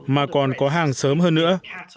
mà còn có hàng sớm hơn nữa